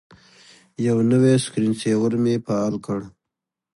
یو نوی سکرین سیور مې فعال کړ.